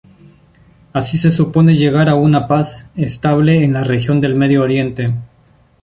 Así se supone llegar a una paz estable en la región del Medio Oriente.